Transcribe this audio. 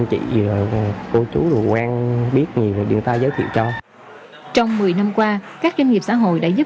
chào mọi người